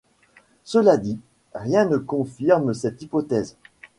Cela dit, rien ne confirme cette hypothèse.